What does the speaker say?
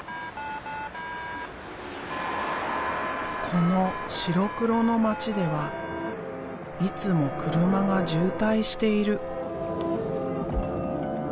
この白黒の街ではいつも車が渋滞している。